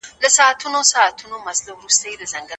موږ بل کور نه لرو.